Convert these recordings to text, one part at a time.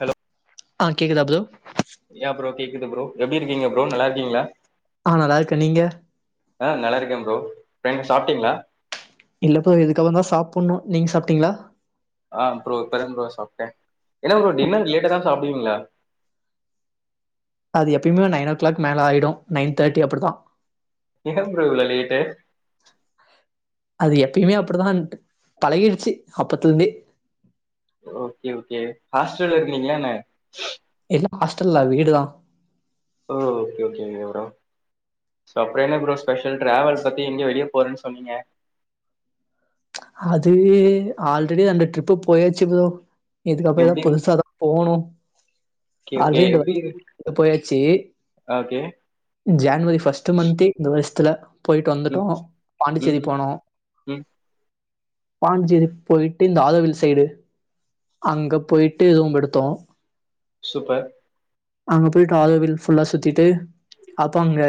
Hello ஆ கேக்குதா bro yeah bro கேக்குது ஃப்ரோ எப்டி இருக்கீங்க ஃப்ரோ நல்லா இருக்கீங்களா ஆ நல்லா இருக்கன் நீங்க ஆ நல்லா இருக்குகேன் ஃப்ரோ டைம் சாப்பிட்டீங்களா இல்லப்போ இதுக்கப்புறம் தான் சாப்புட்ணோ நீங்க சாப்பிட்டீங்ளா ஆ ப்ரோ இப்பதான் ப்ரோ சாப்டன் என்ன ப்ரோ டின்னர் லேட்டா தான் சாப்டுவீங்களா அது எப்பயுமே நைன் ஓ கிளாக் மேல ஆய்டூம் நைன் தேர்டி அப்டி தான் டிபன் ஃப்ரோ இவ்ளோ லேட்டு அது எப்பயுமே அப்டிதான்ட்டு பழகிடுச்சு அப்பத்துல இருந்தே ஓகே ஓகே ஹாஸ்டல்ல இருக்கருங்ரீங்களா ன இல்ல ஹாஸ்டல்லா வீடுதான் ஹ ஓகே ஓகேங்க ப்ரோ சோ அப்புறோம் என்ன ப்ரோ ஸ்பெஷல் டிராவல் பத்தி இங்க வெளிய போறன்னு சொன்னீங்க அது ஆல்ரெடி அந்த ட்ரிப்பு போயாச்சு ப்ரோ இதுக்கப்புறோம் எப்டி புதுசாக ஏதாது போணு ஓகே அது ஓகே இந்த எப்டி வ போயாச்சு ஓகே ஜேன்வரி ஃபர்ஸ்ட் மந்த் இந்த வருஷத்துல போயிட்டு ம் வந்துட்டோம் ம் பாண்டிச்சேரி ம் போனோ ம் பாஞ்டிசேரி போயிட்டு இந்த ஆதவில் சைடு அங்க போயிட்டு ரூம் எடுத்தோம் சூப்பர் அங்க போய் ஆருவில் ஃபுல்லா சுத்திட்டு அப்றோ அங்க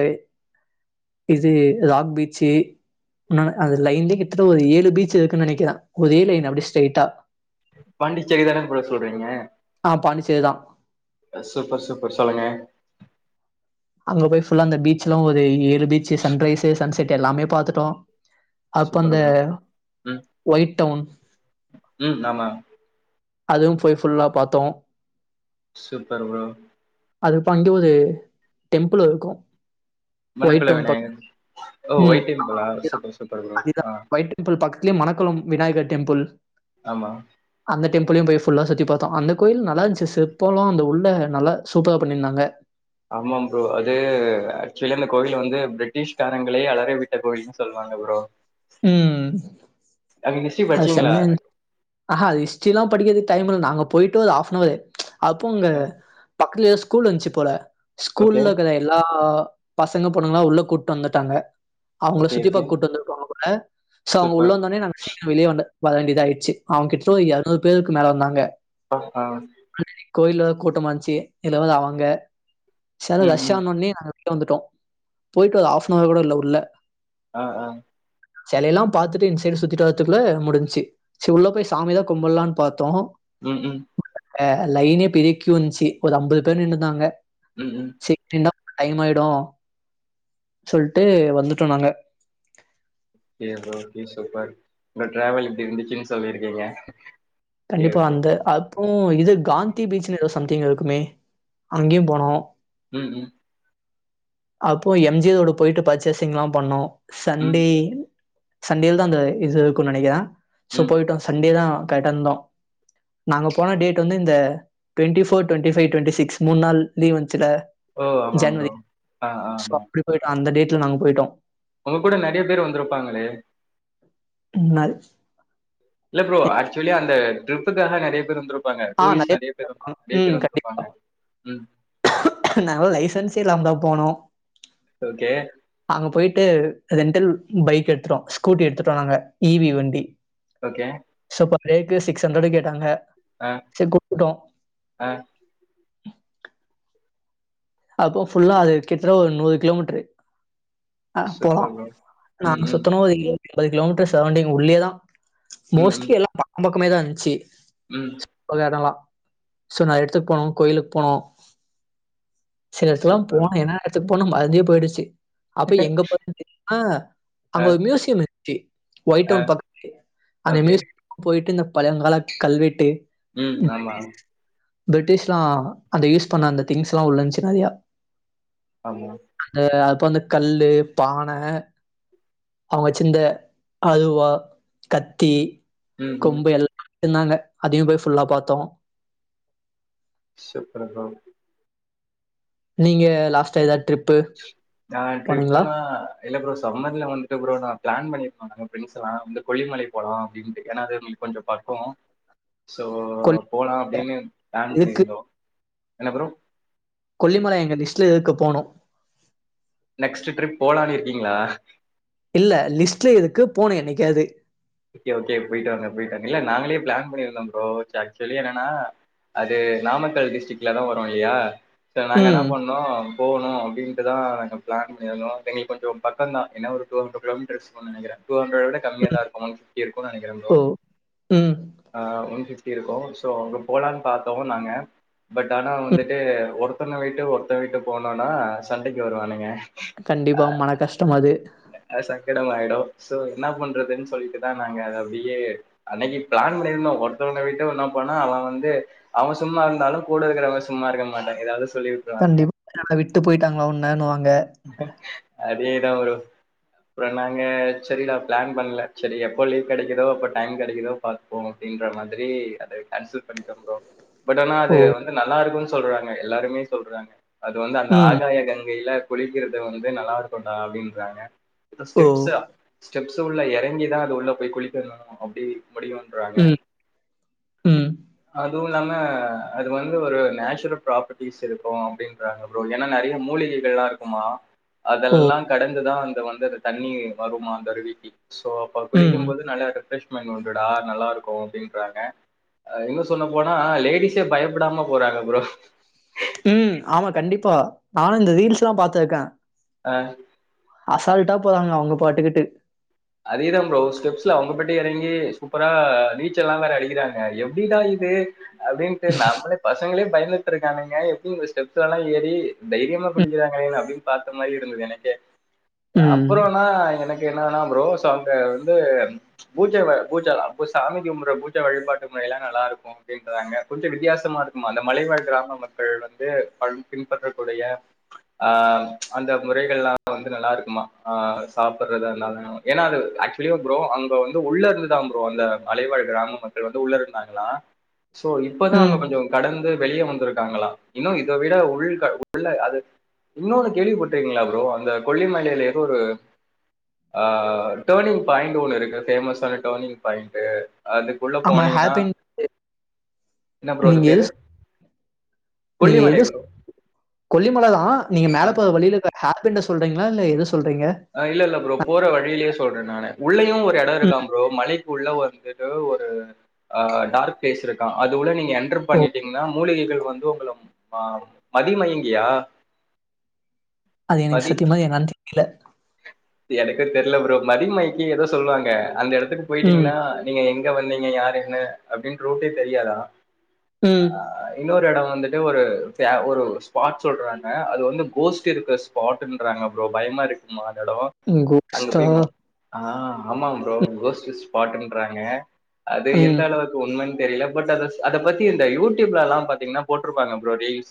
இது ராக் பீச்சு இன்னொன்னு அது லையின்லே கிட் டத்தட்ட ஒரு ஏழு பீச் இருக்குன் நெனைக்குறே ஒரே லைன் அப்டியே ஸ்ட்ரைட்டா பாண்டிச்சேரிதா ப்ரோ சொல்றீங்க ஆ பாண்டிச்சேரிதா அ சூப்பர் சூப்பர் சொல்லுங்க அங்க போய் ஃபுல்லா அந்த பீச் எல்லா ஒரு ஏழு beach sunrise sunset எல்லாமே பாத்துட்டோ அப்ப சூப்பர் அந்த ப்ரோ ம் ஒயிட் டவுன் ம் ஆமா அதுவு போய் ஃபுல்லா பாத்தோ சூப்பர் ப்ரோ அது பண்ட்டு ஒரு டெம்புளுருக்கோ மணக்குளோ விநாயகர் ஓ ம். ஒயிட் டெம்புளா அதேதான் சூப்பர் சூப்பர் ப்ரோ அதேதான். ஆ ஒயிட் டெம்பிள் பக்கத்துலே மணக்குளம் விநாயகர் டெம்பிள் ஆமா அந்த டெம்பிளயு போய் ஃபுல்லா சுத்தி பாத்தோ அந்த கோயில் நல்லாருந்துச்சி சிற்ப்போல்லா அந்த உள்ள நல்லா சூப்பரா பண்ணிருந்தாங்க ஆமா ப்ரோ அது ஆக்சுவலி அந்த கோவில் வந்து பிரிட்டிஷ்காரங்களே அலர விட் ட கோயில்ன்னு சொல்லுவாங்க ப்ரோ ம் அங்க ஹிஸ்ட்ரி அது படிச்சீங்களா செம்மையாருந் ஆஹா அது ஹி்ஸ்ட்ரில்லா படிக்கிறதுக்கு டைமில்ல நாங்க போயிட்டு ஒரு ஃஆப்னவரு அப்போ அங்க பக்கத்துல ஏதோ ஸ்கூல் இந்துச்சு போல ஓகே ஸ்கூல்லருக்கற எல்லா பசங்க பொண்ணுங்களா உள்ள கூப்ட்டு வந்துட்டாங்க அவுங்கள ஓகே சுத்தி ஓகே பாக்க கூப்ட்டு வந்துருக்காங்க அ சோ அவுங்க உள்ள சூப்பர் வந்தோனே நாங்க [unintelligible] வெளியே வர வேண்டியதா ஆயிடுச்சு அவங்கிட்ட ஒரு இரநூறு பேருக்கு மேல வந்தாங்க [unintelligible] ஆ ஆல்ரெடி கோயில் வேற கூட்டமா க்ஷருந்துச்சு இதுல வந்து அவுங்க செரி ம் ம் ரஷ்ஷானோன்னே வந்துட்டோ போயிட்டு ஒரு ஹாப்னவர் கூட இல்ல உள்ள ஆ ஆ செலையெல்லா பாத்துட்டு இந்த சைடு சுத்திட்டு வரத்துக்குள்ள முடிஞ்சு சேரி உள்ள போய் சாமியில்லா கும்புல்லான்னு பாத்தோ ம் ம் அ லைனே பிரிக்கி வந்துச்சு ஒரு ஐம்பது பேர் நின்னுந்தாங்க ம் ம் சேரி நின்னா டைமாயிடு சொல்ட்டு வந்துட்டோ நாங்க ஓகே ப்ரோ சூப்பர் உங்க டிராவல் எப்படி இருந்தது சொல்லிருக்கீங்க கண்டிப்பா அந்த அப்றோ இது காந்தி பீச்ன்னு ஏதோ சம்திங் இருக்குமே அங்கேயு போனோ ம் ம் அப்போ எம் ஜியோட போயிட்டு பர்ச்சேசிங்லா பண்ணோ ம் சண்டே சண்டேல தா அந்த இது இருக்கு நெனைக்கிறே சோ ம் போயிட்டோ சண்டே தா கடந்தோ நாங்க போன டேட்டு வந்து இந்த twenty four twenty five twenty six மூன்நாள் லீவ் வந்ச்சில ஓ ஆமாங் ப்ரோ ஆ ஆ ஆமா போயிட்டு அந்த டேட்ல நாங்க போயிட்டோ ஒங்க கூட நறைய பேர் வந்துருப்பாங்களே [unintelligible] இல்ல ப்ரோ ஆக்சுவலி அந்த ட்ரிப்புக்காக நெறைய பேர் வந்துரு ப்பாங்க டூரிஸ்ட் நெறைய பேர் [unintelligible] வந்துருப்பாங்க நாங்களே லைசன்ஸே இல்லாம தா போனோ ஓகே அங்க போயிட்டு ரெண்டல் பைக் எடுத்துட்டோ ஸ்கூட்டி எடுத்துட்டோ நாங்க இவி வண்டி ஓகே சோ பர்டேக்கு சிக்ஸ் ஹண்ட்ரட் கேட்டாங்க ஆ, சரி குடுத்துட்டோ ஆ அப்ப ஃபுல்லா அது கிட்டதட்ட ஒரு நூறு கிலோமீட்ரு அ போலா சூப்பர் ப்ரோ. ம், நாங்க ம். சுத்துனோ ஒரு [inaudible] எம்பது கிலோமீட்ரூ சரவுண்டிங் உள்ளயேதா ம், ம். மோஸ்ட்லி எல்லா பக்கம் பக்கமே தா இந்துச்சு ம் உள்ள எடலா சோ நாலு எடத்துக்கு போனோ கோயிலுக் போனோ சில எடத்துக்லா சூப்பர் போனோ ப்ரோ. என்ன என்ன எடத்துக்கு போனோ மறந்தே போயிடுச்சு அப்ப எங்க [inaudible] தெரியுமா ஆ, அங்க ஒரு மியூசியம் இருக் த்தி ஆ. ஒயிட்டவுன் பக்கத்துலயே அந்த ஓகே. மியுசியம் போயிட்டு இந்த பழங்கால கல்வெட்டு ம் நல்லா பிரிட்டிஷ்லா அந்த யூஸ் பண்ண அந்த திங்ஸ்லா உள்ளந்துச்சு நெறையா ஆமு அந்த அப்ப வந்து கல்லு பான அவுங்க வச்சிந்த அறுவா கத்தி ம், ம். கொம்பு எல் ந்தாங்க அதையு போய் ஃபுல்லா பாத்தோ சூப்பர் ப்ரோ நீங்க லாஸ்ட்டா எதாது டிரிப் நா ட்ரிப்புனா இல்ல ப்ரோ சம்மர்ல வன்ட்டு ப்ரோ நா ப்ளான் பண்ணிருக்கோ நாங்க ஃப்ரெண்ட்ஸ்லா வந்து கொல்லிமலை போலா அப்டின்ட்டு ஏனா அது கொஞ்ச பக்கோ சோ கொல்லிமலை போலா அப்பிடினு ப்ளான் இருக்கு. பண்ணிருந்தோ என்ன ப்ரோ கொல்லிமல எங்க லிஸ்ட்ல இருக்கு போணு நெக்ஸ்ட்டு ட்ரிப் போலான் இருக்கீங்களா இல்ல லிஸ்ட்ல இருக்கு போனு என்னைக்காது ஓகே ஓகே போயிட்டு வாங்க போய்ட்டு வாங்க இல்ல நாங்களே ப்ளான் பண்ணிருந்தோ ப்ரோ சே ஆக்சுவலி என்னனா அது நாமக்கல் டிஸ்ட்ரிக்லதா வரு இல்லையா சோ நாங்க என்ன ம். பண்ணோ போவணு அப்பிடின்ட்டுதா நாங்க ப்ளான் பண்ணிருந்தோ இப்ப எங்களுக் கொஞ்ச பக்கந்தா என்ன ஒரு டூ ஹண்ட்ரட் கிலோமீட்டர்ஸ் ம்னு நெனக்கிறே டூஹண்ட்ரட விட ம். கம்மியாதா இருக்கு ஒன் ஃபிஃப்டி இருக்கு நெனக்கிறே ப்ரோ ஓ! ம். ஆ ஒன் ஃபிஃப்டி இருக்கு ஸோ அங்க போலான் பாத்தோ நாங்க பட் ஆனா ம். வந்துட்டு ஒருத்தன விட்டு ஒருத்தன் விட்டு போனோனா சண்டைக்கி வருவானுங்க கண்டிப்பா மனக்கஷ்டம் அது அ சங்கடமாயிடு சோ என்ன பண்றதுன் சொல்ட்டுதா நாங்க அத அப்டியே அன்னக்கி ப்ளான் பண்ணிருந்தோ ஒருத்தவன விட்டு ஒன்னா போனா அவன் வந்து அவன் சும்மா இருந்தாலு கூட இருக்கிறவங்க சும்மா இருக்க மாட்டங்கிது ஏதாவது சொல்லி விட்டுருவானுங்க கண்டிப்பா [inaudible] விட்டு போயிட்டாங்களா ஒன்னன்னுவாங்க அதேதா ப்ரோ அப்புற நாங்க சரி டா ப்ளான் பண்ல சரி எப்போ லீவ் கெடைக்குதோ அப்ப டைம் கெடைக்குதோ பாத் ப்போ அப்பிடின்ற மாதிரி அத கேன்சல் பண்ணிட்டே ப்ரோ பட் ஆனா அது ஓ! வந்து நல்லா இருக்குன் சொல்றாங்க எல்லாருமே சொல்றாங்க அது வந்து அந்த ம். ஆகாய கங்கையில குளிக்கிறது வந்து நல்லாருக்குண்டா அப்டின்றாங்க இப்ப ஓ! ஸ்டெப்ஸா ஸ்டெப்ஸ் உள்ள எறங்கிதா அது உள்ள போய் குளிக்கணு அப்படி இப்பிடியுன்றாங்க ம். ம். அதுவு இல்லாம அது வந்து ஒரு நேச்சுரல் ப்ராப்பர்ட்டிஸ் இருக்கு அப்டின் ன்றாங்க ப்ரோ ஏனா நெறைய மூலிகைகள்லா இருக்குமா ஓ! அதெல்லா கடந்துதா அந்த வந்தது தண்ணி வருமா அந்தரிடிக்கி ஸோ அப்ப குளிக்கும் ம். போது நல்லா ரெஃப்ரெஷ்மெண்ட் உண்டுடா நல்லா இருக்கு அப்டின்றாங்க ஆ இன்னோ சொன்ன போனா லேடிஸே பயப்டாமா போறாங்க ப்ரோ உ ஆமா கண்டிப்பா நானு இந்த ரீல்ஸ்லா பாத்துருக்கே ஆ அசால்ட்டா போராங்க அவுங்க பாட்டுக்கிட்டு அதேதா ப்ரோ ஸ்டெப்ஸ்ல அவுங்க பாட்டு எறங்கி சூப்பரா நீச்சல்லா வேற அடிக்கிறாங்க எப்டிடா இது அப்டின்ட்டு நாம்ளே பசங்களே பயந்துட்ருக்கானுங்க எப்டி இந்த ஸ்டெப்ஸ்லலா ஏறி தைரியமா ம். குளிக்கிறாங்களேனு அப்டின் பாத்த மாரி இருந்தது எனக்கே ம். அப்றோனா எனக்கு என்னனா ப்ரோஸ் அங்க வந்து பூஜ வ பூஜ அப்ப சாமி கும்பற்ற பூஜ வழிபாட்டு முறைலா நல்லா இருக்கு அப்டின்றாங்க கொஞ்ச வித்தியாசமா இருக்குமா அந்த மலைவாழ் கிராம மக்கள் வந்து பன் பின்பற்றக்கூடிய ஆ அந்த முறைகள்லா வந்து நல்லா இருக்குமா ஆ சாப்பற்றதா இந்தாலு ஆக்சுவலியோ ப்ரோ அங்க வந்து உள்ள இருந்துதா ப்ரோ அந்த மலைவாழ் கிராம மக்கள் வந்து உள்ள இருந்தாங்ளா ஸோ இப்பதா ம். அவுங்க கொஞ்சோ கடந்து வெளியே வந்திருக்காங்களா இன்னு இத விட உள் உள்ள அது இன்னொன்னு கேள்விப்பட்ருக்கீங்ளா ப்ரோ அந்த கொல்லிமலையில ஏதோ ஒரு ஆ ட்டேனிங் பாயிண்டு ஒண்ணு இருக்கு ஃபேமஸ்சான ட்டேனிங் பாயிண்ட்டு அதுக் உள்ள ஆமா, போனீங்கனா ஹேர் பின் இன்ன ப்ரோ அது நீங்க எது பேரு சொ நீங்க கொல்லிமலை எதுஸ் ப்ரோ கொல்லிமல தா நீங்க மேலே போர வழிலக்க ஹாப்பண்டு சொல்றீங்ளா இல்ல எத சொல்றீங்க அ இல்ல இல்ல ப்ரோ போற வழிலயே சொல்றே நானு உள்ளேயு ஒரு எடோ இருக்கா ம். ப்ரோ மலைக்குள்ள வந்துட்டு ஒரு ஆ டார்க் பிளேஸ் இருக்கா அதுள்ள நீங் என்ரு ஓ! பண்ணிடீங்னா மூலிகிகள் வந்து உங்ள ஆ மதிமயங்கியா அது எனுக் சத்தியமா என்னன் தெரில எனக்கோ தெரில ப்ரோ மதிமயக்கி ஏதோ சொல்லுவாங்க அந்த எடத்துக்கு ம். போயிட்டீங்ளா நீங்க எங்க வந்தீங்க யார் என்னு அப்டின் ரோட்டே தெரியாதா உ இன்னொரு எடோ வந்துட்டு ஒரு ப்யா ஒரு ஒரு ஸ்பாட் சொல்றாங்க அது வந்து கோஸ்ட் இருக்ற ஸ் ஸ்பாட்டுன்றாங்க ப்ரோ பயமா இருக்கு மாதடோ அங்க கோஸ்ட்டா? போயின்னோ ஆ ஆமா ப்ரோ கோஸ்ட்டு ஸ்பாட்டுன்றாங்க அது எந்த ம். அளவுக் உண்மென் தெரில பட் அதஸ் அதப் பத்தி இந்த யூடியூப்லலா பாத்தீங்னா போட்ருப்பாங்க ப்ரோ ரீல்ஸ்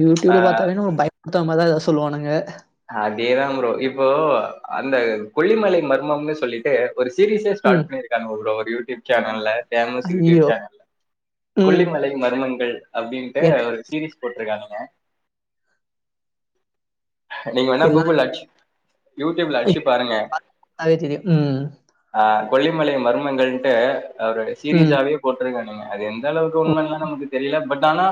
யூடியூப்ல பாத்தாவே நம்ம பயம் [unintelligible] மாரிதா எதாவுது சொல்வானுங்க அதேதா புரோ இப்போ அந்த கொல்லிமலை மர்மம்னு சொல்லிட்டு ஒரு ஸீரிஸே ம். ஸார்ட் பண்ணிருக்காங்க புரோ ஒரு யூடியூப் சேனல்ல ஃபேமஸ் யூடியூப் ஐயய்யோ! சேனல் ம். கொல்லிமலை மர்மங்கள் அப்டின்ட்டு எனக்கு ஒரு சீரிஸ் போட்ருக்கானுங்க நீங்க வேனா எல்லாம் கூகுல்ல அட்சி யூடியூப்ல அடிச்சு பாருங்க பாத்தாவே தெரியும். ம். ஆ கொல்லிமலை மருமங்கள்ட்டு அவரு ம். சீரீஸாவே போட்ருக்கானுங்க அது எந்த அளவுக்கு ஓ! உண்மைன் லாம் நமக்கு தெரில பட் ஆனா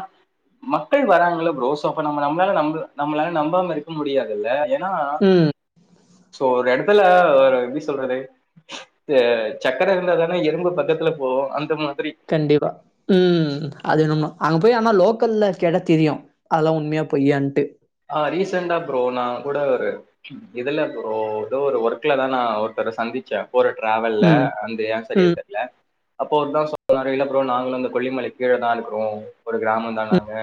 மக்கள் வராங்கள ப்ரோ சோ அப்ப நம்ம நம்மளால நம்பு நம்மளால நம்பாம இருக்க முடியாதுல்ல ஏனா உம் சோ ஒரு எடத்துல ஒரு எப்டி சொல்றது து சக்கர இருந்தாதானே எறும்பு பக்கத்துல போவும் அந்த மாதிரி கண்டிபா ம் அது என்னமோ அங்க போய் ஆனா லோக்கல்ல கேட்டா தெரியும் அதல்லாம் உண்மையா பொய்யாண்டு ஆ ரீசன்டா ப்ரோ நான் கூட ஒரு இதுல ப்ரோ ஏதோ ஒரு ஒர்க்ல தான் நான் ஒருத்தரை சந்திச்சேன் போற டிராவல்ல ம். அந்த ஏன் சரியா ம். தெரியல அப்ப ஒருத்தன் சொ இல்லை ப்ரோ நாங்களும் வந்து கொல்லிமலை கீழ தான் இருக்கிறோம் ஒரு கிராமம் ம். நாங்க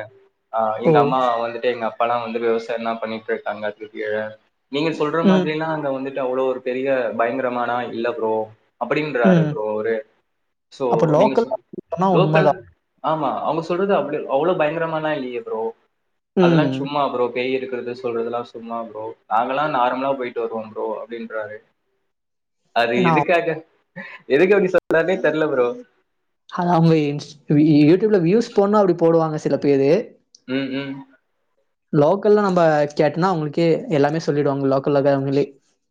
ஓ! எங்க அம்மா வந்துட்டு எங்க அப்பா பாலாம் வந்து விவசாயம் தான் பண்ணிட்டு இருக்காங்க கீழ நீங்க சொல்ற ம். மாதிரில்லாம் அங்க வந்து அவ்வளவு ஒரு பெரிய பயங்கரமானா இல்ல ப்ரோ அப்படின்றாரு ம். ப்ரோ அவரு சோ அப்ப நீங்க சொ லோக்கல்ல சொன்னா லோக்கல் உண்மதான். ஆமா அவங்க சொல்றது அப்டி அவ்வளவு பயங்கரமாலாம் இல்லையே ப்ரோ ம். அதெல்லாம் சும்மா ப்ரோ பேய் இருக்கறது சொல்றதுெல்லாம் சும்மா ப்ரோ நாங்கல்லாம் நார்மலா போயிட்டு வருவோம் ப்ரோ அப்டின்றாரு அது ஏன்னா, எதுக்காக எதுக்கு அவரு சொன்னருனே தெரியல ப்ரோ ஆ அவங்க யூடியூப்ல வியூஸ் போனா அப்டி போடுவாங்க சில பேரு ம் ம் லோக்கல்ல நம்ம கேட்டனா அவங்களுக்கே எல்லாமே சொல்லிடுவாங்க லோக்கல்ல இருக்கவங்களே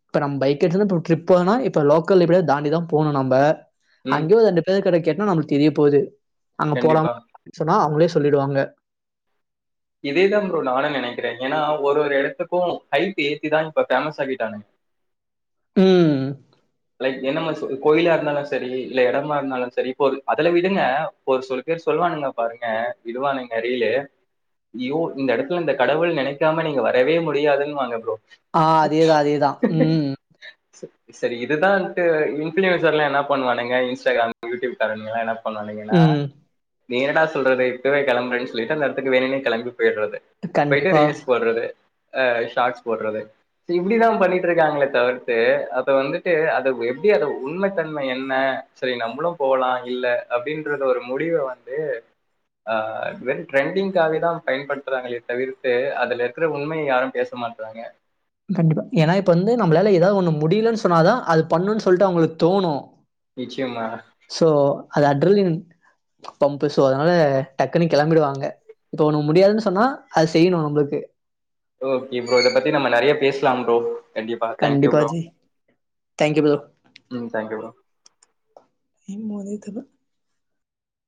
இப்ப நம்ம பைக் எடுத்து இப்ப ட்ரிப் போன இப்ப லோக்கல்ல எப்டியா தாண்டிதான் போகனும் நம்ம ம் அங்கேயும் ரெண்டு பேருகிட்ட கேட்டனா நம்மளுக்கு தெரிய போகுது அங்க கண்டிப்பா போலாம சொன்னா அவங்களே சொல்லிடுவாங்க இதேதான் ப்ரோ நானும் நெனைக்கிறேன் ஏன்னா ஒரு ஒரு இடத்துக்கும் ஹைப் ஏத்தி தான் இப்ப பேமஸ் ஆகிட்டானுங்க ம் லைக் என்னம கோயிலா இருந்தாலும் செரி இல்ல இடமா இருந்தாலும் செரி இப்போ ஒரு அதுல விடுங்க ஒரு சில பேரு சொல்லுவானுங்க பாருங்க இதுவானுங்க அரியிலே யோ இந்த எடத்துல இந்த கடவுள் நெனைக்காம நீங்க வரவே முடியாதுன்னு வாங்க ப்ரோ ஆ அதே தான் அதே தான் ம் செரி செரி இதுதான்ட்டு இன்புளுயர்ஸ்லாம் எல்லா என்ன பண்ணுவானுங்க இன்ஸ்டாகிராம் யூ டியூப் காரனுக்க சொன்னாங்கன்னா ம். நீ என்டா சொல்றது இப்பவே கெளம்பறன்னு சொல்லிட்டு அந்த எடத்துக்கு வேணுனே கெளம்பி போயிட்றது போய்ட்டு கண்டிப்பா, ரீல்ஸ் போட்றது அ ஷார்ட்ஸ் போட்றது இப்டிதான் பண்ணிட்டு இருக்காங்களே தவிர்த்து அத வந்து அது எப்படி அத உண்மை தன்மை என்ன சரி நம்மளும் போகலாம் இல்ல அப்படின்றது ஒரு முடிவை வந்து இது ஆ வெறும் ட்ரெண்டிங்காகவே தான் பயன்படுத்துறாங்களே தவிர்த்து அதுல இருக்கிற உண்மைய யாரும் பேச மாட்றாங்க கண்டிப்பா ஏன்னா இப்ப வந்து நம்மளால ஏதாவது ஒண்ணு முடியலன்னு சொன்னாதான் அது பண்ணும்ன்னனு சொல்லிட்டு அவங்களுக்கு தோணும் நிச்சயம்மா சோ அது அட்ரலின் பம்ப் சோ அதனால டக்குனு கெளம்பிடுவாங்க இப்ப ஒண்ணு முடியாதுன்னு சொன்னா அது செய்யணும் நம்மளுக்கு ஓகே ப்ரோ இத பத்தி நம்ம நெறைய பேச் க்லா ப்ரோ கண்டிப்பா thank you bro thank you bro. ம் தேங்க்யூ ப்ரோ இன்மோதைதது